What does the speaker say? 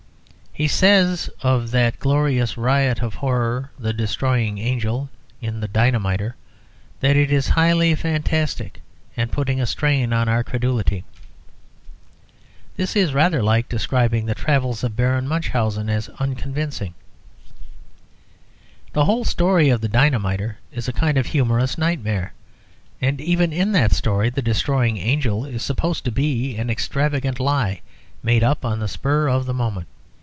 He says of that glorious riot of horror, "The Destroying Angel," in "The Dynamiter," that it is "highly fantastic and putting a strain on our credulity." This is rather like describing the travels of Baron Munchausen as "unconvincing." The whole story of "The Dynamiter" is a kind of humorous nightmare, and even in that story "The Destroying Angel" is supposed to be an extravagant lie made up on the spur of the moment.